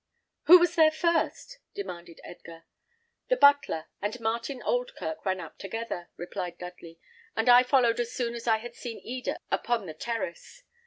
"Who was there first?" demanded Edgar. "The butler and Martin Oldkirk ran up together," replied Dudley; "and I followed as soon as I had seen Eda upon the terrace.